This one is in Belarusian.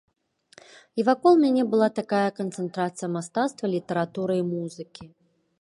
І вакол мяне была такая канцэнтрацыя мастацтва, літаратуры і музыкі!